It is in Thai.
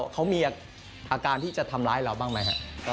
เขามีอาการที่จะทำร้ายเราบ้างไหมครับ